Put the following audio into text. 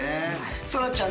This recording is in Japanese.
そらちゃん